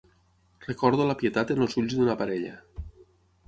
Recordo la pietat en els ulls d'una parella.